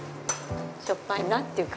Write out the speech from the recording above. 「しょっぱいな」っていう。